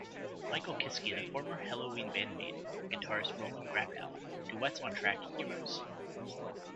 Michael Kiske, the former Helloween bandmate of guitarist Roland Grapow, duets on track "Heroes".